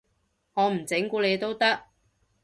我唔整蠱你都得